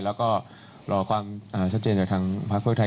และหลวงความชัดเจนเดียวกับทางภักดิ์เทพไทย